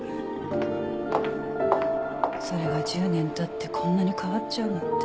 それが１０年経ってこんなに変わっちゃうなんて。